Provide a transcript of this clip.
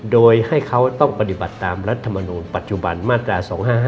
โดยให้เขาต้องปฏิบัติตามรัฐมนูลปัจจุบันมาตรา๒๕๕